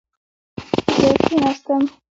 زه کښېناستم